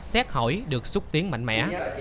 xét hỏi được xúc tiến mạnh mẽ